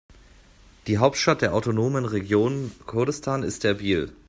Die Hauptstadt der autonomen Region Kurdistan ist Erbil.